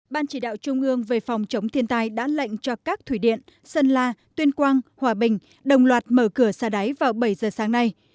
ban chỉ đạo trung ương về phòng chống thiên tai đã lệnh cho các thủy điện sơn la tuyên quang hòa bình đồng loạt mở cửa xa đáy vào bảy giờ sáng nay